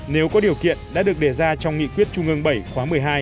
nếu có điều kiện đã được đề ra trong nghị quyết trung ương bảy khóa một mươi hai